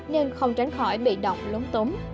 nên không tránh khỏi bị độc lúng túng